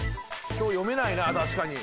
今日読めないな確かに。